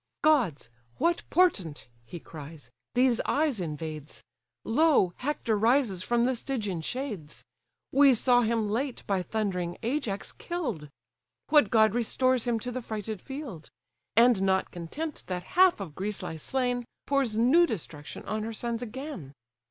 "Gods! what portent (he cried) these eyes invades? Lo! Hector rises from the Stygian shades! We saw him, late, by thundering Ajax kill'd: What god restores him to the frighted field; And not content that half of Greece lie slain, Pours new destruction on her sons again?